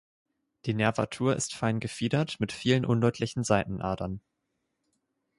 Die Nervatur ist fein gefiedert mit vielen undeutlichen Seitenadern.